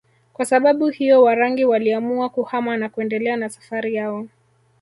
Kwa sababu hiyo Warangi waliamua kuhama na kuendelea na safari yao